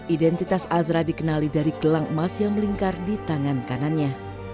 identitas azra dikenali dari gelang emas yang melingkar di tangan kanannya